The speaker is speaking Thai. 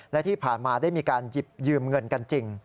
และที่ผ่านมาได้มีการหยิบยืมเงินกันจริง